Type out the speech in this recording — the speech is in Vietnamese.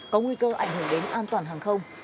có nguy cơ ảnh hưởng đến an toàn hàng không